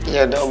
ya udah om